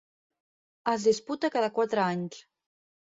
Es disputa cada quatre anys.